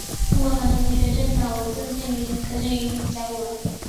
中国传统医学的最早文字资料可见于甲骨文。